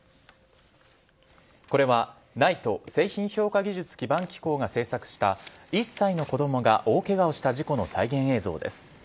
これはＮＩＴＥ＝製品評価技術基盤機構が制作した１歳の子供が大怪我をした事故の再現映像です。